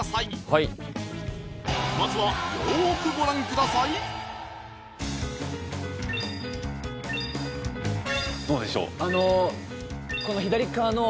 はいまずはよくご覧くださいどうでしょう？